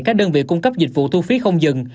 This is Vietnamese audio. các đơn vị cung cấp dịch vụ thu phí không dừng